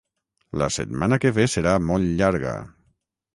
La setmana que ve serà molt llarga